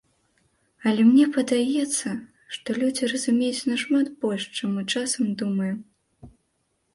Але мне падаецца, што людзі разумеюць нашмат больш, чым мы часамі думаем.